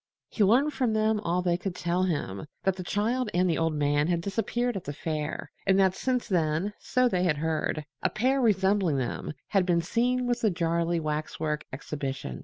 He learned from them all they could tell him that the child and the old man had disappeared at the fair, and that since then (so they had heard) a pair resembling them had been seen with the Jarley waxwork exhibition.